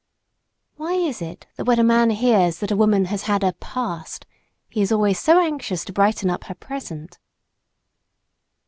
Why is it that when a man hears that a woman has had a "past," he is always so anxious to brighten up her present?